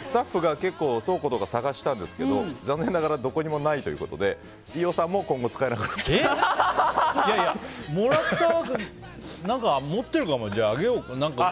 スタッフが結構倉庫とか探したんですけど残念ながらどこにもないということで飯尾さんも今後使えなくなっちゃったと。